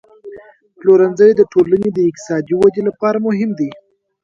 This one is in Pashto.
پلورنځی د ټولنې د اقتصادي ودې لپاره مهم دی.